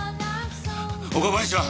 岡林は？